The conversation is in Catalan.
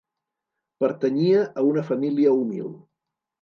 Pertanyia a una família humil.